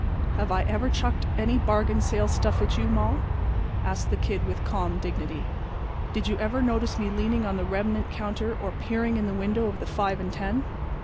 "Have I ever chucked any bargain sale stuff at you, Moll?" asked the Kid, with calm dignity. "Did you ever notice me leaning on the remnant counter or peering in the window of the five and ten?